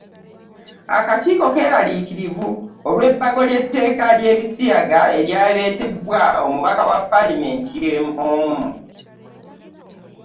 Akakiiko keeraliikirivu olw’ebbago ly’Etteeka ly’Ebisiyaga eryaleetebwa omubaka wa paalamenti omu.